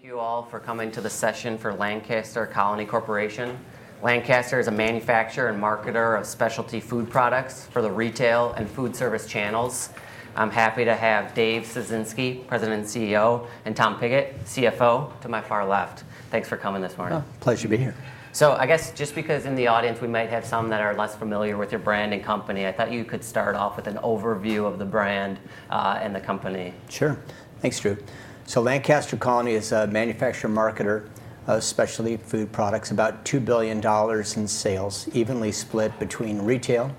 All right. Thank you all for coming to the session for Lancaster Colony Corporation. Lancaster is a manufacturer and marketer of specialty food products for the retail and food service channels. I'm happy to have Dave Ciesinski, President and CEO, and Tom Pigott, CFO, to my far left. Thanks for coming this morning. Pleasure to be here. I guess, just because in the audience we might have some that are less familiar with your brand and company, I thought you could start off with an overview of the brand and the company. Sure. Thanks, Drew. Lancaster Colony is a manufacturer and marketer especially food products, about $2 billion in sales, evenly split between retail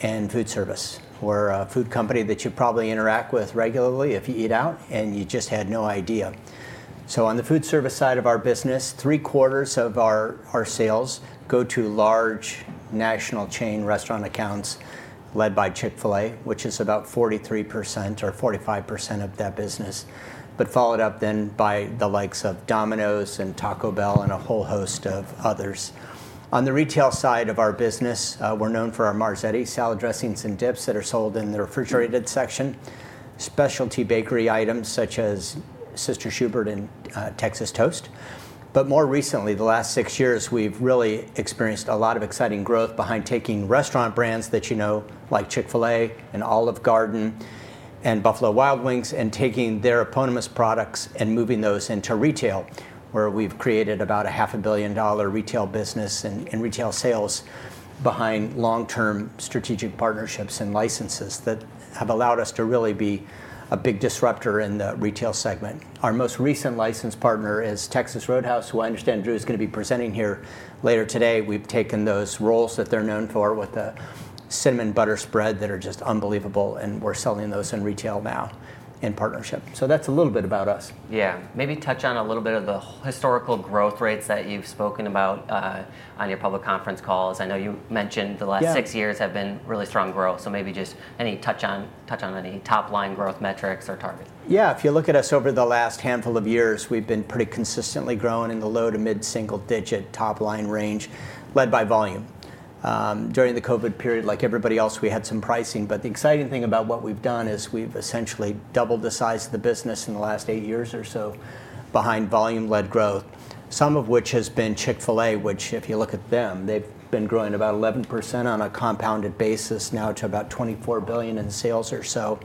and food service. We're a food company that you probably interact with regularly if you eat out, and you just had no idea. On the food service side of our business, three-quarters of our sales go to large national chain restaurant accounts led by Chick-fil-A, which is about 43% or 45% of that business, but followed up then by the likes of Domino's and Taco Bell, and a whole host of others. On the retail side of our business, we're known for our Marzetti salad dressings and dips that are sold in the refrigerated section, specialty bakery items such as Sister Schubert's and Texas Toast. More recently, the last six years, we've really experienced a lot of exciting growth behind taking restaurant brands that you know, like Chick-fil-A and Olive Garden and Buffalo Wild Wings, and taking their eponymous products and moving those into retail, where we've created about a $500,000,000 retail business and retail sales behind long-term strategic partnerships and licenses that have allowed us to really be a big disruptor in the retail segment. Our most recent licensed partner is Texas Roadhouse, who I understand Drew is going to be presenting here later today. We've taken those rolls that they're known for with the cinnamon butter spread that are just unbelievable, and we're selling those in retail now in partnership. So, that's a little bit about us. Yeah. Maybe touch on a little bit of the historical growth rates that you've spoken about on your public conference calls. I know you mentioned the last six years have been really strong growth. Maybe just any touch on any top-line growth metrics or targets. Yeah. If you look at us over the last handful of years, we've been pretty consistently growing in the low to mid-single-digit top-line range, led by volume. During the COVID period, like everybody else, we had some pricing, but the exciting thing about what we've done is we've essentially doubled the size of the business in the last eight years or so behind volume-led growth. Some of which has been Chick-fil-A, which, if you look at them, they've been growing about 11% on a compounded basis now to about $24 billion in sales or so.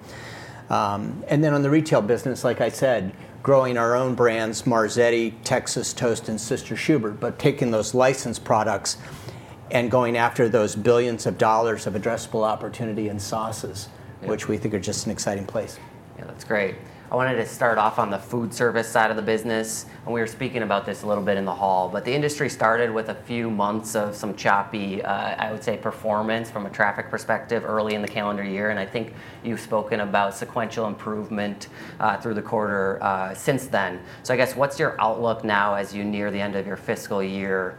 And then on the retail business, like I said, growing our own brands, Marzetti, Texas Toast, and Sister Schubert, but taking those licensed products and going after those billions of dollars of addressable opportunity in sauces, which we think are just an exciting place. Yeah, that's great. I wanted to start off on the food service side of the business. We were speaking about this a little bit in the hall. The industry started with a few months of some choppy, I would say, performance from a traffic perspective early in the calendar year. I think you've spoken about sequential improvement through the quarter since then. I guess what's your outlook now as you near the end of your fiscal year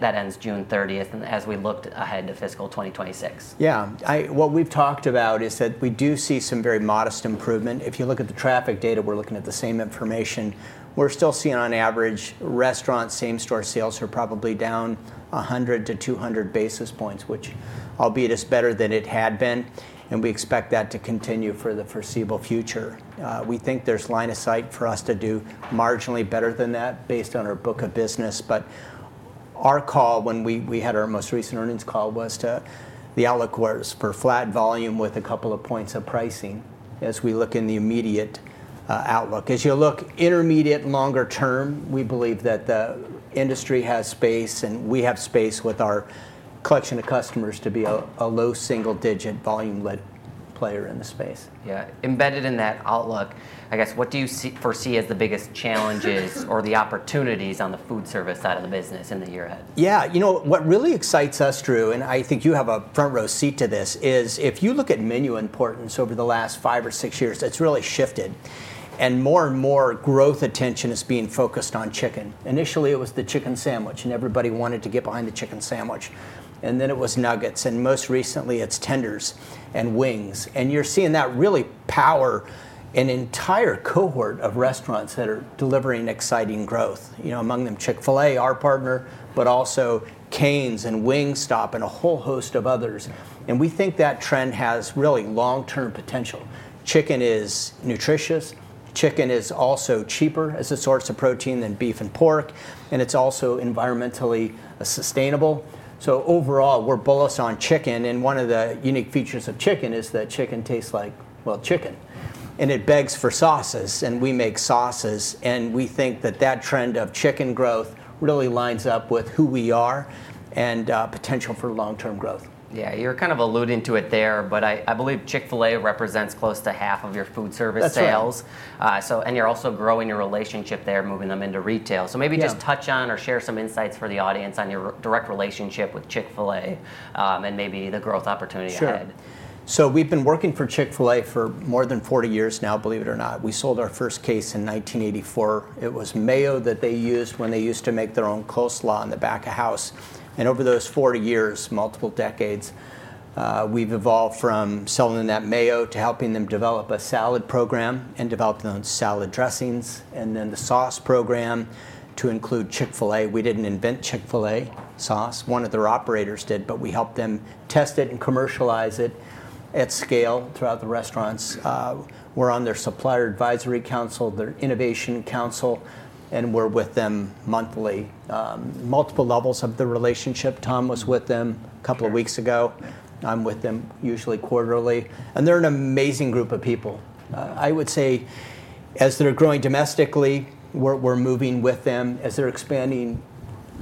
that ends June 30th, and as we look ahead to fiscal 2026? Yeah. What we've talked about is that we do see some very modest improvement. If you look at the traffic data, we're looking at the same information. We're still seeing, on average, restaurant same-store sales are probably down 100-200 basis points, which albeit is better than it had been. We expect that to continue for the foreseeable future. We think there's line of sight for us to do marginally better than that based on our book of business. Our call, when we had our most recent earnings call, was to the outlook was for flat volume with a couple of points of pricing as we look in the immediate outlook. As you look intermediate and longer term, we believe that the industry has space, and we have space with our collection of customers to be a low single-digit volume-led player in the space. Yeah. Embedded in that outlook, I guess, what do you foresee as the biggest challenges or the opportunities on the food service side of the business in the year ahead? Yeah. You know what really excites us, Drew, and I think you have a front-row seat to this, is if you look at menu importance over the last five or six years, it has really shifted. More and more growth attention is being focused on chicken. Initially, it was the chicken sandwich, and everybody wanted to get behind the chicken sandwich. Then it was nuggets. Most recently, it's tenders and wings. You are seeing that really power an entire cohort of restaurants that are delivering exciting growth, among them Chick-fil-A, our partner, but also Cane's and Wingstop, and a whole host of others. We think that trend has really long-term potential. Chicken is nutritious. Chicken is also cheaper as a source of protein than beef and pork. It is also environmentally sustainable. Overall, we are bullish on chicken. One of the unique features of chicken is that chicken tastes like, well, chicken. It begs for sauces. We make sauces. We think that, that trend of chicken growth really lines up with who we are and the potential for long-term growth. Yeah. You're kind of alluding to it there. I believe Chick-fil-A represents close to half of your food service sales. That's right. You're also growing your relationship there, moving them into retail. Maybe just touch on or share some insights for the audience on your direct relationship with Chick-fil-A, and maybe the growth opportunity ahead. Sure. We have been working for Chick-fil-A for more than 40 years now, believe it or not. We sold our first case in 1984. It was mayo that they used when they used to make their own coleslaw in the back of house. Over those 40 years, multiple decades, we have evolved from selling that mayo to helping them develop a salad program and develop their own salad dressings, and then the sauce program to include Chick-fil-A. We did not invent Chick-fil-A sauce. One of their operators did, but we helped them test it and commercialize it at scale throughout the restaurants. We are on their Supplier Advisory Council, their Innovation Council, and we are with them monthly. Multiple levels of the relationship. Tom was with them a couple of weeks ago. I am with them usually quarterly. They are an amazing group of people. I would say as they're growing domestically, we're moving with them. As they're expanding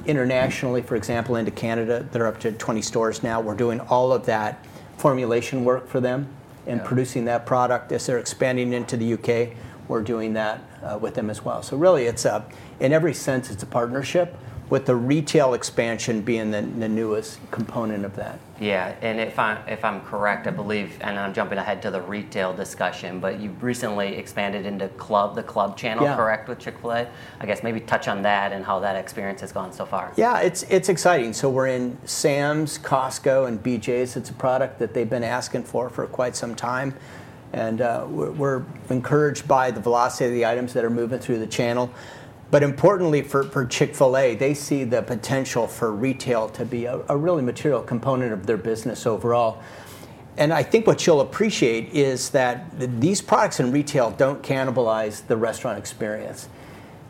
internationally, for example, into Canada, they're up to 20 stores now. We're doing all of that formulation work for them and producing that product. As they're expanding into the U.K., we're doing that with them as well. Really, in every sense, it's a partnership with the retail expansion being the newest component of that. Yeah. If I'm correct, I believe, and I'm jumping ahead to the retail discussion, but you've recently expanded into Club, the Club Channel, correct, with Chick-fil-A? Yeah. I guess maybe touch on that and how that experience has gone so far. Yeah. It's exciting. We are in Sam's, Costco, and BJ's. It's a product that they've been asking for for quite some time. We are encouraged by the velocity of the items that are moving through the channel. Importantly, for Chick-fil-A, they see the potential for retail to be a really material component of their business overall. I think what you'll appreciate is that these products in retail don't cannibalize the restaurant experience.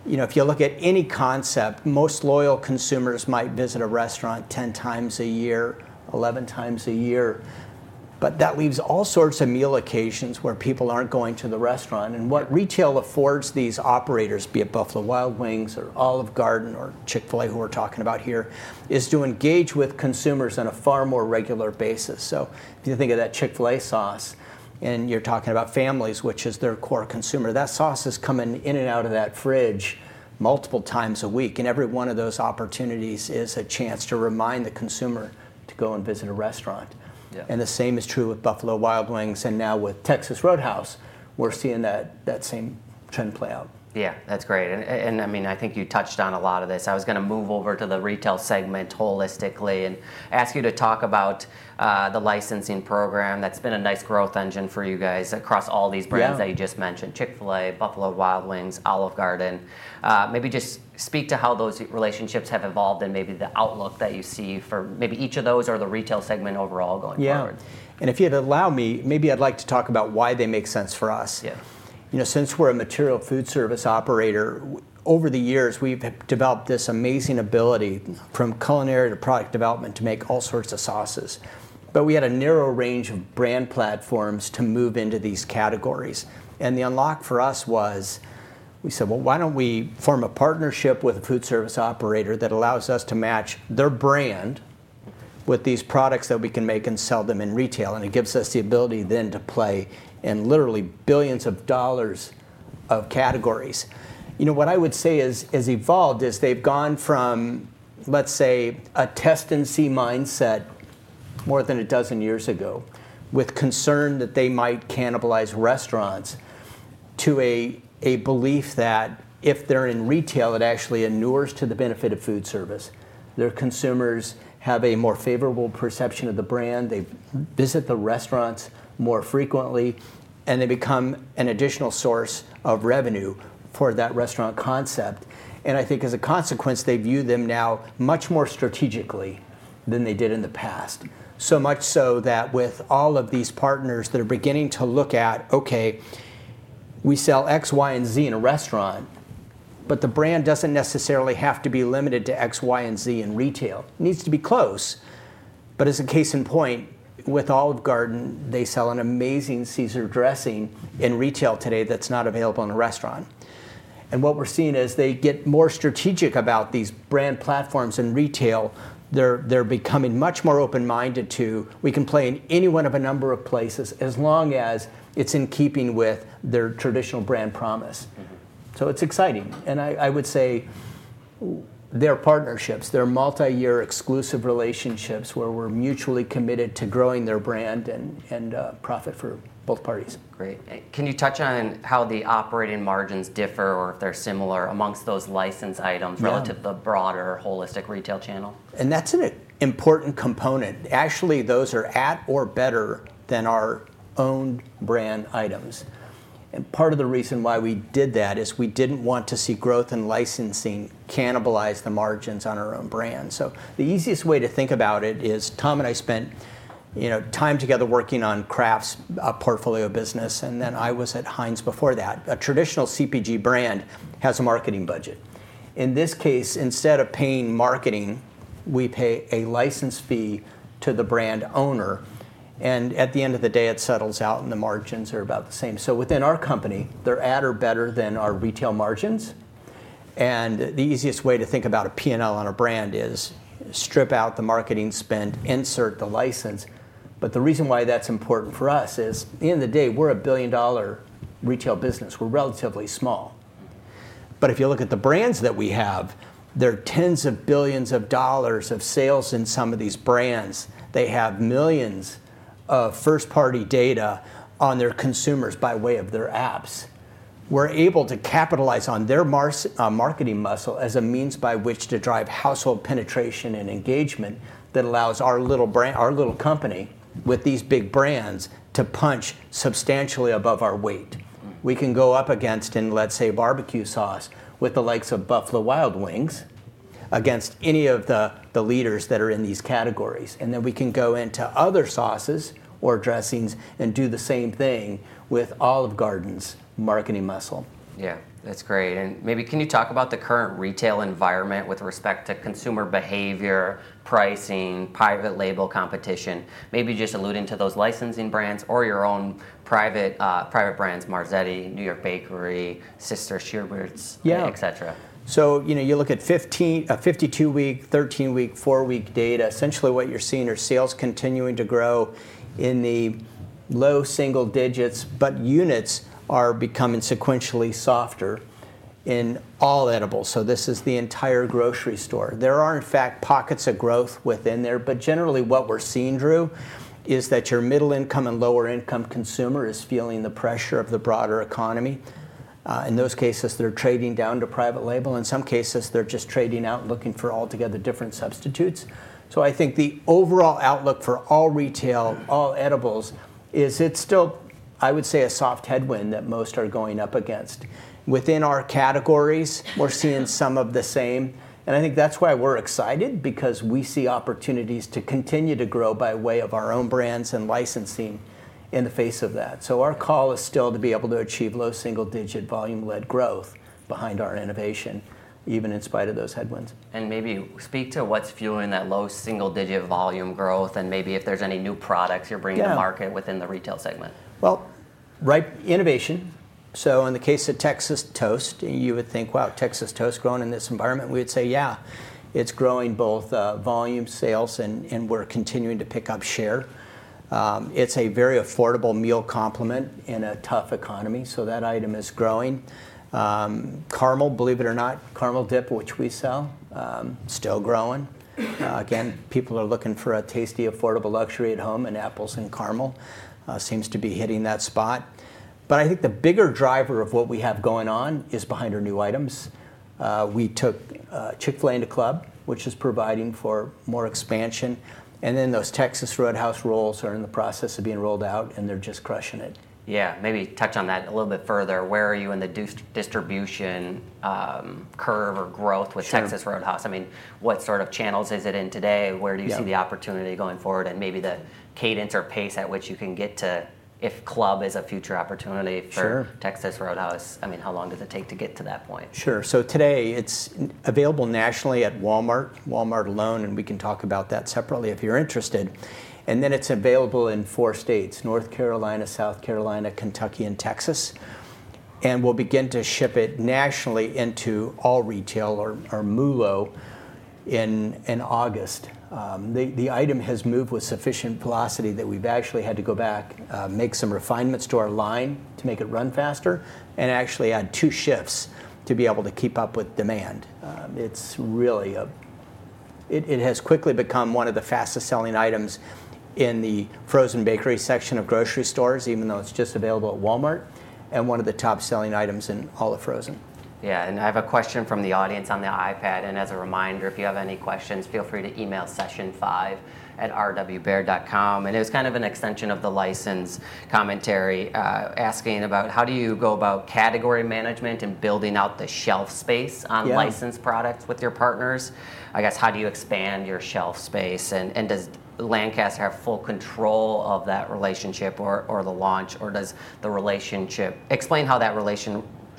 If you look at any concept, most loyal consumers might visit a restaurant 10 times a year, 11 times a year. That leaves all sorts of meal occasions where people aren't going to the restaurant. What retail affords these operators, be it Buffalo Wild Wings or Olive Garden, or Chick-fil-A, who we're talking about here, is to engage with consumers on a far more regular basis. If you think of that Chick-fil-A sauce and you're talking about families, which is their core consumer, that sauce is coming in and out of that fridge multiple times a week. Every one of those opportunities is a chance to remind the consumer to go and visit a restaurant. The same is true with Buffalo Wild Wings, and now with Texas Roadhouse, we're seeing that same trend play out. Yeah. That's great. I mean, I think you touched on a lot of this. I was going to move over to the retail segment holistically and ask you to talk about the licensing program that's been a nice growth engine for you guys across all these brands that you just mentioned: Chick-fil-A, Buffalo Wild Wings, Olive Garden. Maybe just speak to how those relationships have evolved and maybe the outlook that you see for maybe each of those or the retail segment overall going forward. Yeah. If you'd allow me, maybe I'd like to talk about why they make sense for us. Yeah. Since we're a material food service operator, over the years, we've developed this amazing ability from culinary to product development to make all sorts of sauces. We had a narrow range of brand platforms to move into these categories. The unlock for us was we said, Why don't we form a partnership with a food service operator that allows us to match their brand with these products that we can make and sell them in retail? It gives us the ability then to play in literally billions of dollars of categories. What I would say has evolved is they've gone from, let's say, a test-and-see mindset more than a dozen years ago, with concern that they might cannibalize restaurants, to a belief that if they're in retail, it actually inures to the benefit of food service. Their consumers have a more favorable perception of the brand. They visit the restaurants more frequently, and they become an additional source of revenue for that restaurant concept. I think as a consequence, they view them now much more strategically than they did in the past, so much so that with all of these partners that are beginning to look at, Okay, we sell X, Y, and Z in a restaurant. But the brand doesn't necessarily have to be limited to X, Y, and Z in retail. It needs to be close. As a case in point, with Olive Garden, they sell an amazing Caesar dressing in retail today that's not available in a restaurant. And what we're seeing is, they get more strategic about these brand platforms in retail. They're becoming much more open-minded to we can play in any one of a number of places as long as it's in keeping with their traditional brand promise. It's exciting. I would say their partnerships, their multi-year exclusive relationships, where we're mutually committed to growing their brand and profit for both parties. Great. Can you touch on how the operating margins differ or if they're similar amongst those licensed items relative to the broader holistic retail channel? And that's it. An important component. Actually, those are at or better than our own brand items. Part of the reason why we did that is we did not want to see growth in licensing cannibalize the margins on our own brand. The easiest way to think about it is Tom and I spent time together working on Kraft's portfolio business. I was at Heinz before that. A traditional CPG brand has a marketing budget. In this case, instead of paying marketing, we pay a license fee to the brand owner. At the end of the day, it settles out, and the margins are about the same. Within our company, they are at or better than our retail margins. The easiest way to think about a P&L on a brand is strip out the marketing spend, insert the license. The reason why that's important for us is at the end of the day, we're a billion-dollar retail business. We're relatively small. If you look at the brands that we have, there are tens of billions of dollars of sales in some of these brands. They have millions of first-party data on their consumers by way of their apps. We're able to capitalize on their marketing muscle as a means by which to drive household penetration and engagement that allows our little company, with these big brands, to punch substantially above our weight. We can go up against, in let's say, barbecue sauce, with the likes of Buffalo Wild Wings, against any of the leaders that are in these categories. We can go into other sauces or dressings and do the same thing with Olive Garden's marketing muscle. Yeah. That's great. Maybe can you talk about the current retail environment with respect to consumer behavior, pricing, private label competition, maybe just alluding to those licensing brands or your own private brands, Marzetti, New York Bakery, Sister Schubert's, et cetera? Yeah. You look at 52-week, 13-week, four-week data. Essentially, what you're seeing are sales continuing to grow in the low single digits, but units are becoming sequentially softer in all edibles. This is the entire grocery store. There are, in fact, pockets of growth within there. Generally, what we're seeing, Drew, is that your middle-income and lower-income consumer is feeling the pressure of the broader economy. In those cases, they're trading down to private label. In some cases, they're just trading out, looking for altogether different substitutes. I think the overall outlook for all retail, all edibles is it's still, I would say, a soft headwind that most are going up against. Within our categories, we're seeing some of the same. I think, that's why we're excited, because we see opportunities to continue to grow by way of our own brands and licensing in the face of that. Our call is still to be able to achieve low single-digit volume-led growth behind our innovation, even in spite of those headwinds. Maybe speak to what's fueling that low single-digit volume growth, and maybe if there's any new products you're bringing to market within the Retail segment. Right, innovation. In the case of Texas Toast, you would think, wow, Texas Toast is growing in this environment. We would say, yeah, it's growing both volume, sales, and we're continuing to pick up share. It's a very affordable meal complement in a tough economy. That item is growing. Caramel, believe it or not, caramel dip, which we sell, still growing. Again, people are looking for a tasty, affordable luxury at home, and apples and caramel seems to be hitting that spot. I think the bigger driver of what we have going on is behind our new items. We took Chick-fil-A into Club, which is providing for more expansion. Those Texas Roadhouse rolls are in the process of being rolled out, and they're just crushing it. Yeah. Maybe touch on that a little bit further. Where are you in the distribution curve or growth with Texas Roadhouse? I mean, what sort of channels is it in today? Where do you see the opportunity going forward and maybe the cadence or pace at which you can get to if Club is a future opportunity for Texas Roadhouse? I mean, how long does it take to get to that point? Sure. Today, it's available nationally at Walmart, Walmart alone, and we can talk about that separately if you're interested. It's available in four states: North Carolina, South Carolina, Kentucky, and Texas. We'll begin to ship it nationally into all retail or MULO in August. The item has moved with sufficient velocity that we've actually had to go back, make some refinements to our line to make it run faster, and actually add two shifts to be able to keep up with demand. It has quickly become one of the fastest-selling items in the frozen bakery section of grocery stores, even though it's just available at Walmart, and one of the top-selling items in all of frozen. Yeah. I have a question from the audience on the iPad. As a reminder, if you have any questions, feel free to email session5@rwbaird.com. It was kind of an extension of the license commentary, asking about how do you go about category management and building out the shelf space on licensed products with your partners? I guess, how do you expand your shelf space? Does Lancaster have full control of that relationship or the launch? Or does the relationship, explain how that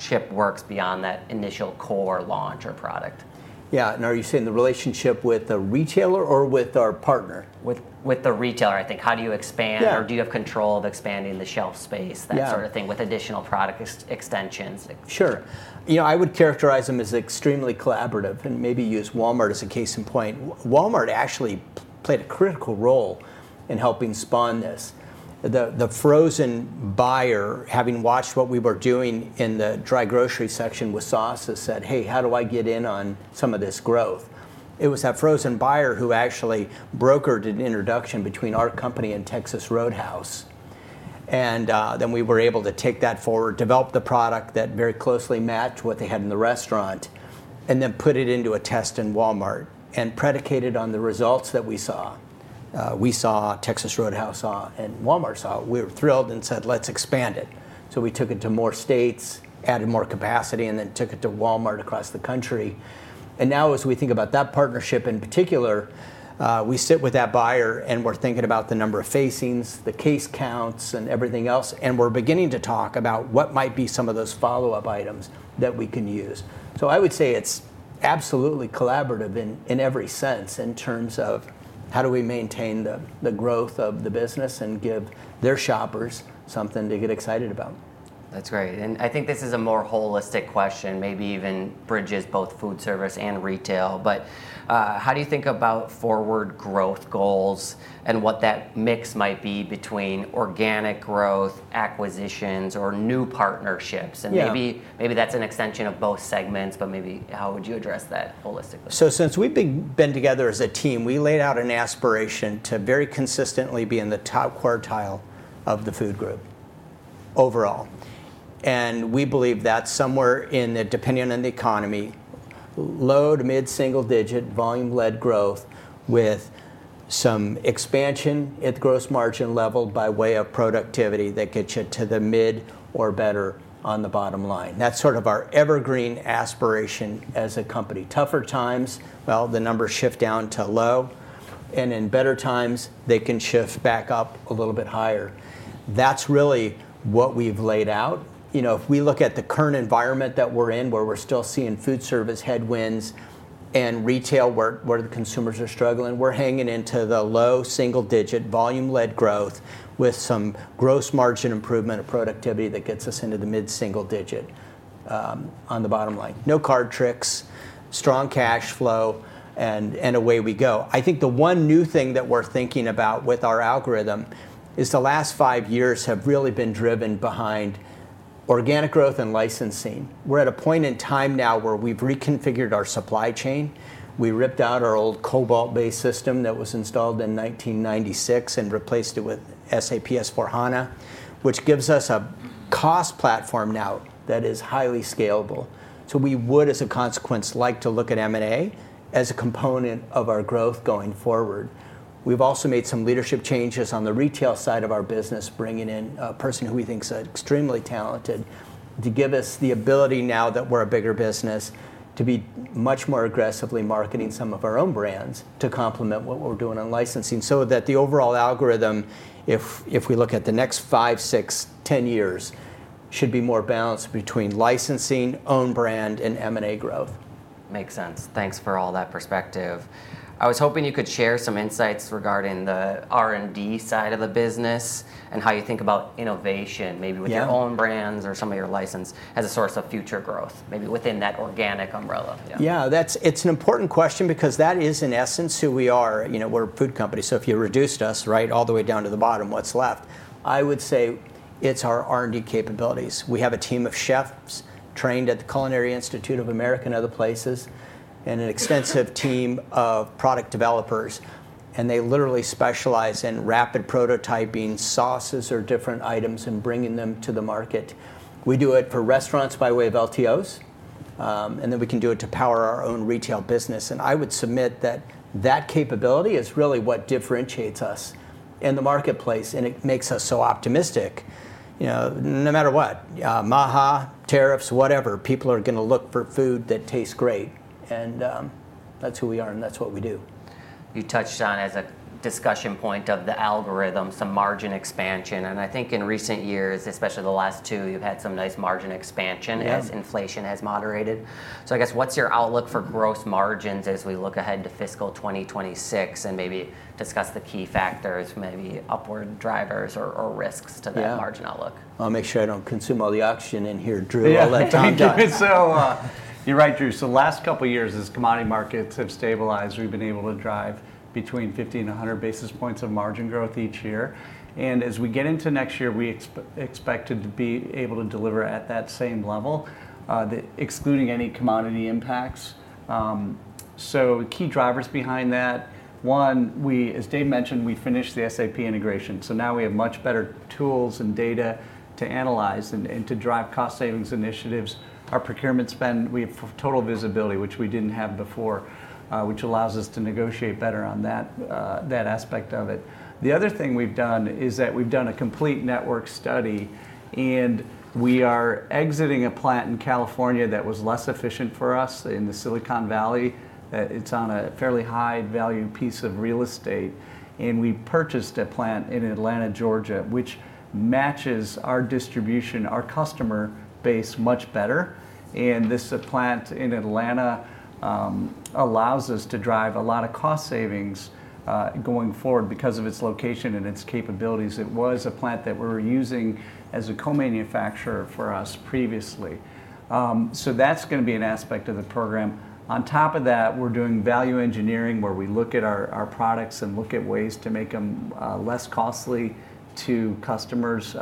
relationship works beyond that initial core launch or product? Yeah. Are you saying the relationship with the retailer or with our partner? With the retailer, I think. How do you expand? Or do you have control of expanding the shelf space, that sort of thing, with additional product extensions? Sure. You know, I would characterize them as extremely collaborative. Maybe use Walmart as a case in point. Walmart actually played a critical role in helping spawn this. The frozen buyer, having watched what we were doing in the dry grocery section with sauces, said, hey, how do I get in on some of this growth? It was that frozen buyer who actually brokered an introduction between our company and Texas Roadhouse. We were able to take that forward, develop the product that very closely matched what they had in the restaurant, and then put it into a test in Walmart and predicated on the results that we saw. We saw Texas Roadhouse saw and Walmart saw. We were thrilled and said, let's expand it. We took it to more states, added more capacity, and then took it to Walmart across the country. As we think about that partnership in particular, we sit with that buyer and we're thinking about the number of facings, the case counts, and everything else. We're beginning to talk about what might be some of those follow-up items that we can use. I would say it's absolutely collaborative in every sense in terms of how do we maintain the growth of the business and give their shoppers something to get excited about. That's great. I think this is a more holistic question, maybe even bridges both food service and retail. How do you think about forward growth goals and what that mix might be between organic growth, acquisitions, or new partnerships? Maybe that's an extension of both segments, but maybe how would you address that holistically? Since we've been together as a team, we laid out an aspiration to very consistently be in the top quartile of the food group overall. We believe that's somewhere in the, depending on the economy, low to mid-single-digit volume-led growth with some expansion at gross margin level by way of productivity that gets you to the mid or better on the bottom line. That's sort of our evergreen aspiration as a company. Tougher times, the numbers shift down to low. In better times, they can shift back up a little bit higher. That's really what we've laid out. You know, if we look at the current environment that we're in, where we're still seeing food service headwinds and retail where the consumers are struggling, we're hanging into the low single-digit, volume-led growth with some gross margin improvement of productivity that gets us into the mid-single digit on the bottom line. No card tricks, strong cash flow, and away we go. I think the one new thing that we're thinking about with our algorithm is the last five years have really been driven behind organic growth and licensing. We're at a point in time now where we've reconfigured our supply chain. We ripped out our old COBOL-based system that was installed in 1996 and replaced it with SAP S/4HANA, which gives us a cost platform now that is highly scalable. We would, as a consequence, like to look at M&A as a component of our growth going forward. We've also made some leadership changes on the retail side of our business, bringing in a person who we think is extremely talented to give us the ability now that we're a bigger business to be much more aggressively marketing some of our own brands to complement what we're doing on licensing so that the overall algorithm, if we look at the next five, six, 10 years, should be more balanced between licensing, own brand, and M&A growth. Makes sense. Thanks for all that perspective. I was hoping you could share some insights regarding the R&D side of the business and how you think about innovation, maybe with your own brands or some of your license as a source of future growth, maybe within that organic umbrella. Yeah. It's an important question because that is, in essence, who we are. We're a food company. If you reduced us, right, all the way down to the bottom, what's left? I would say it's our R&D capabilities. We have a team of chefs trained at the Culinary Institute of America and other places, and an extensive team of product developers. They literally specialize in rapid prototyping sauces or different items and bringing them to the market. We do it for restaurants by way of LTOs. We can do it to power our own retail business. I would submit that that capability is really what differentiates us in the marketplace, and it makes us so optimistic. No matter what, MAHA, tariffs, whatever, people are going to look for food that tastes great. That's who we are, and that's what we do. You touched on, as a discussion point of the algorithm, some margin expansion. I think in recent years, especially the last two, you've had some nice margin expansion as inflation has moderated. I guess, what's your outlook for gross margins as we look ahead to fiscal 2026, and maybe discuss the key factors, maybe upward drivers or risks to that margin outlook? I'll make sure I don't consume all the oxygen in here, Drew, all that time talking. You're right, Drew. The last couple of years, as commodity markets have stabilized, we've been able to drive between 50 and 100 basis points of margin growth each year. As we get into next year, we expect to be able to deliver at that same level, excluding any commodity impacts. Key drivers behind that, one, as Dave mentioned, we finished the SAP integration. Now we have much better tools and data to analyze and to drive cost savings initiatives. Our procurement spend, we have total visibility, which we didn't have before, which allows us to negotiate better on that aspect of it. The other thing we've done is that we've done a complete network study. We are exiting a plant in California that was less efficient for us, in the Silicon Valley. It's on a fairly high-value piece of real estate. We purchased a plant in Atlanta, Georgia, which matches our distribution, our customer base much better. This plant in Atlanta allows us to drive a lot of cost savings going forward because of its location and its capabilities. It was a plant that we were using as a co-manufacturer for us previously. That's going to be an aspect of the program. On top of that, we're doing value engineering where we look at our products and look at ways to make them less costly to customers,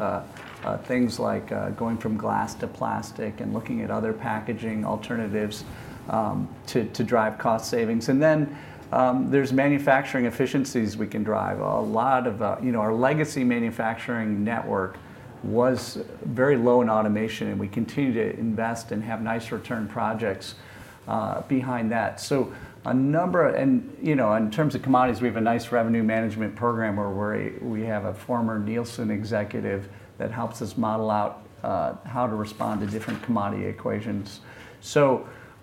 things like going from glass to plastic and looking at other packaging alternatives to drive cost savings. There are manufacturing efficiencies we can drive. A lot of our legacy manufacturing network was very low in automation, and we continue to invest and have nice return projects behind that. A number of, and in terms of commodities, we have a nice revenue management program where we have a former Nielsen executive that helps us model out how to respond to different commodity equations.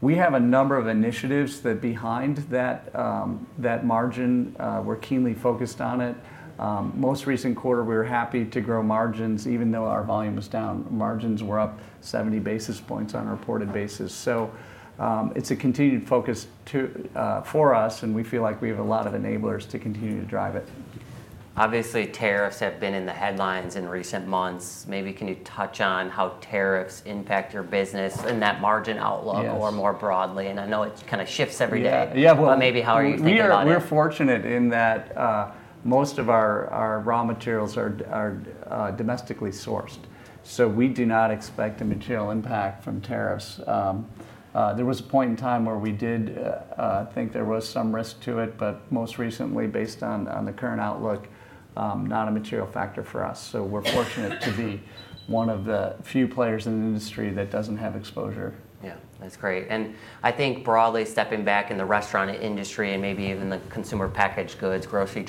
We have a number of initiatives that behind that margin, we're keenly focused on it. Most recent quarter, we were happy to grow margins even though our volume was down. Margins were up 70 basis points on a reported basis. It is a continued focus for us, and we feel like we have a lot of enablers to continue to drive it. Obviously, tariffs have been in the headlines in recent months. Maybe can you touch on how tariffs impact your business and that margin outlook or more broadly? I know it kind of shifts every day, but maybe how are you thinking about it? We're fortunate in that most of our raw materials are domestically sourced. We do not expect a material impact from tariffs. There was a point in time where we did think there was some risk to it, but most recently, based on the current outlook, not a material factor for us. We're fortunate to be one of the few players in the industry that does not have exposure. Yeah. That's great. I think broadly stepping back in the restaurant industry and maybe even the consumer packaged goods, grocery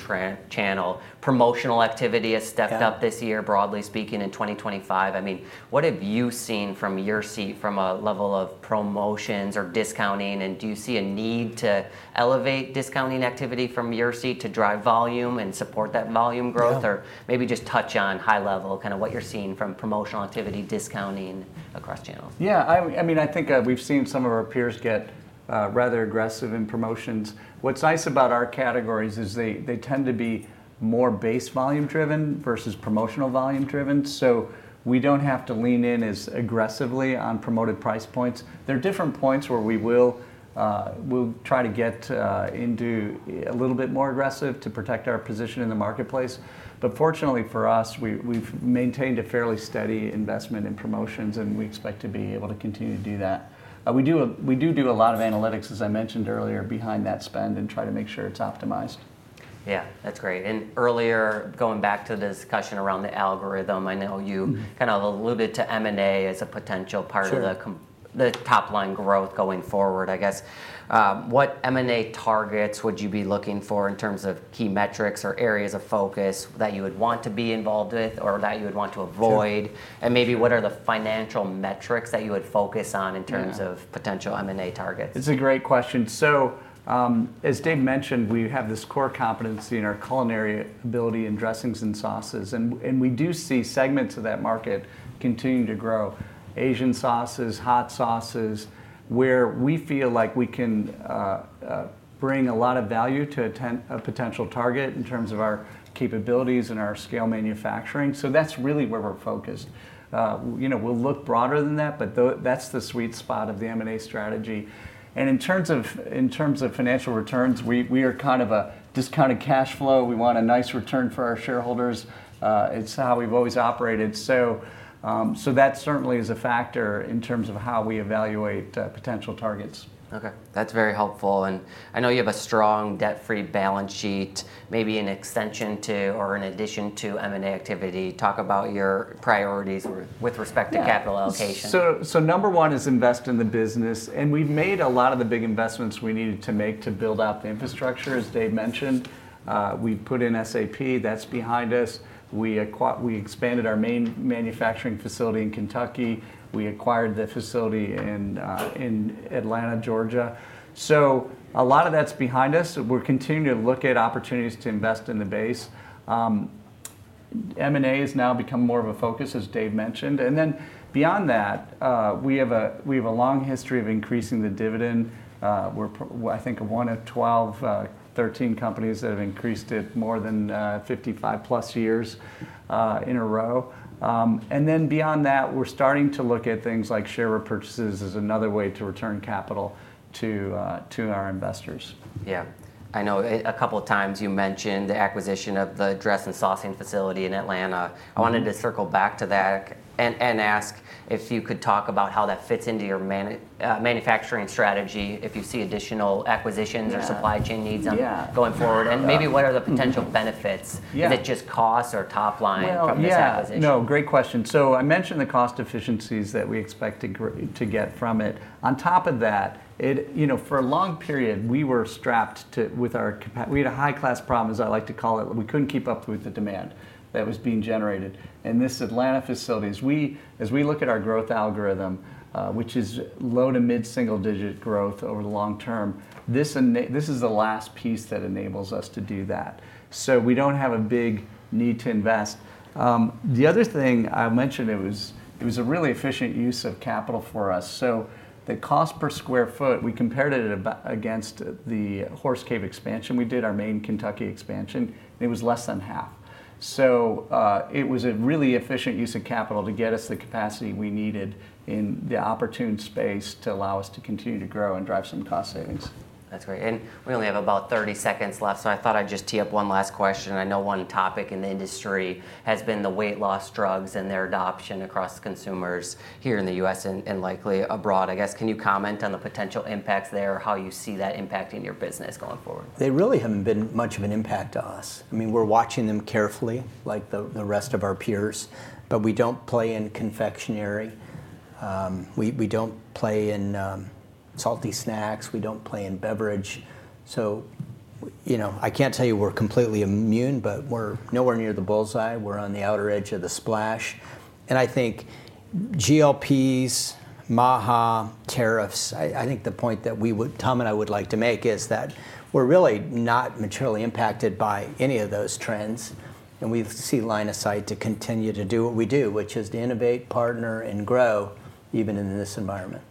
channel, promotional activity has stepped up this year, broadly speaking, in 2025. I mean, what have you seen from your seat from a level of promotions or discounting? Do you see a need to elevate discounting activity from your seat to drive volume and support that volume growth? Maybe just touch on high-level kind of what you're seeing from promotional activity, discounting across channels? Yeah. I mean, I think we've seen some of our peers get rather aggressive in promotions. What's nice about our categories is they tend to be more base volume-driven versus promotional volume-driven. We don't have to lean in as aggressively on promoted price points. There are different points where we will try to get into a little bit more aggressive to protect our position in the marketplace. Fortunately for us, we've maintained a fairly steady investment in promotions, and we expect to be able to continue to do that. We do do a lot of analytics, as I mentioned earlier, behind that spend and try to make sure it's optimized. Yeah. That's great. Earlier, going back to the discussion around the algorithm, I know you kind of alluded to M&A as a potential part of the top-line growth going forward. I guess, what M&A targets would you be looking for in terms of key metrics or areas of focus that you would want to be involved with or that you would want to avoid? Maybe what are the financial metrics that you would focus on in terms of potential M&A targets? It's a great question. As Dave mentioned, we have this core competency in our culinary ability in dressings and sauces. We do see segments of that market continuing to grow: Asian sauces, hot sauces, where we feel like we can bring a lot of value to a potential target in terms of our capabilities and our scale manufacturing. That's really where we're focused. We'll look broader than that, but that's the sweet spot of the M&A strategy. In terms of financial returns, we are kind of a discounted cash flow. We want a nice return for our shareholders. It's how we've always operated. That certainly is a factor in terms of how we evaluate potential targets. Okay. That's very helpful. I know you have a strong debt-free balance sheet, maybe an extension to or an addition to M&A activity. Talk about your priorities with respect to capital allocation. Number one is invest in the business. We've made a lot of the big investments we needed to make to build out the infrastructure, as Dave mentioned. We've put in SAP. That's behind us. We expanded our main manufacturing facility in Kentucky. We acquired the facility in Atlanta, Georgia. A lot of that's behind us. We're continuing to look at opportunities to invest in the base. M&A has now become more of a focus, as Dave mentioned. Beyond that, we have a long history of increasing the dividend. We're, I think, one of 12, 13 companies that have increased it more than 55-plus years in a row. Beyond that, we're starting to look at things like share repurchases as another way to return capital to our investors. Yeah. I know a couple of times you mentioned the acquisition of the dress and saucing facility in Atlanta. I wanted to circle back to that and ask if you could talk about how that fits into your manufacturing strategy, if you see additional acquisitions or supply chain needs going forward. Maybe what are the potential benefits that just cost or top line from this acquisition? Yeah. No, great question. I mentioned the cost efficiencies that we expect to get from it. On top of that, for a long period, we were strapped with our capacity. We had a high-class problem, as I like to call it. We could not keep up with the demand that was being generated. This Atlanta facility, as we look at our growth algorithm, which is low to mid-single digit growth over the long term, is the last piece that enables us to do that. We do not have a big need to invest. The other thing I mentioned it was a really efficient use of capital for us. The cost per square foot, we compared it against the Horse Cave expansion we did, our main Kentucky expansion, and it was less than half. It was a really efficient use of capital to get us the capacity we needed in the opportune space to allow us to continue to grow and drive some cost savings. That's great. We only have about 30 seconds left. I thought I'd just tee up one last question. I know one topic in the industry has been the weight loss drugs and their adoption across consumers here in the U.S. and likely abroad. I guess, can you comment on the potential impacts there or how you see that impacting your business going forward? They really haven't been much of an impact to us. I mean, we're watching them carefully, like the rest of our peers, but we don't play in confectionery. We don't play in salty snacks. We don't play in beverage. I can't tell you we're completely immune, but we're nowhere near the bullseye. We're on the outer edge of the splash. I think GLPs, MAHA, tariffs, I think the point that Tom and I would like to make is that we're really not materially impacted by any of those trends. We see a line of sight to continue to do what we do, which is to innovate, partner, and grow even in this environment.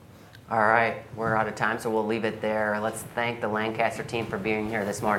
All right. We're out of time, so we'll leave it there. Let's thank the Lancaster team for being here this morning.